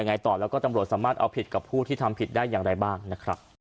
ต่อแล้วก็ตำรวจสามารถเอาผิดกับผู้ที่ทำผิดได้อย่างไรบ้างนะครับ